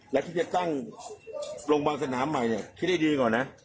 และคิดจะตั้งโรงพยาบาลสนามใหม่เนี่ยคิดให้ดีก่อนนะ